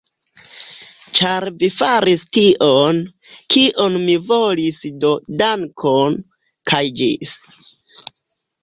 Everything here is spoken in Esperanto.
Ĉar vi faris tion, kion mi volis do dankon, kaj ĝis!